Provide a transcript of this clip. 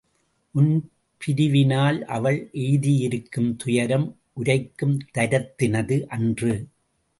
உன் பிரிவினால் அவள் எய்தியிருக்கும் துயரம் உரைக்கும் தரத்தினது அன்று.